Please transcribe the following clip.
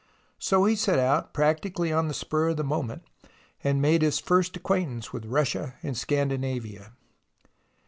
So he set out practically on the spur of the moment, and made his first acquaint ance with Russia and Scandinavia.